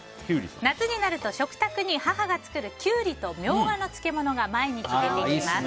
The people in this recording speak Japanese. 夏になると、食卓に母が作るキュウリとミョウガの漬物が毎日、出てきます。